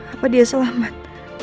apa dia selamat